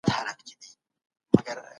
نه ئې هم اړتياوي او غوښتني سره ورته وي.